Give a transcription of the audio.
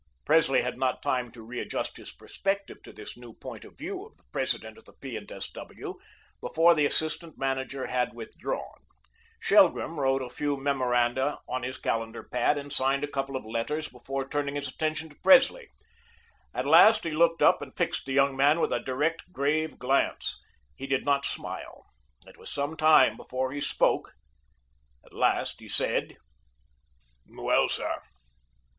Presley had not time to readjust his perspective to this new point of view of the President of the P. and S. W. before the assistant manager had withdrawn. Shelgrim wrote a few memoranda on his calendar pad, and signed a couple of letters before turning his attention to Presley. At last, he looked up and fixed the young man with a direct, grave glance. He did not smile. It was some time before he spoke. At last, he said: "Well, sir."